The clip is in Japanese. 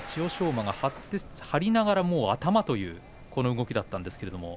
馬が張りながら頭という動きでした。